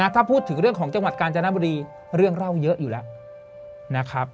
ถ้าพูดถึงเรื่องของจังหวัดกาญจนบุรีเรื่องเล่าเยอะอยู่แล้วนะครับ